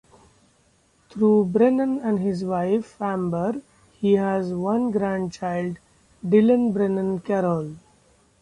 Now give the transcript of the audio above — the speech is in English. Through Brennan and his wife Amber, he has one grandchild, Dillon Brennan Carroll.